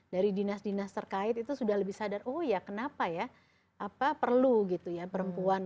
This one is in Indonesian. dari dinas dinas terkait itu sudah lebih sadar oh ya kenapa ya apa perlu gitu ya perempuan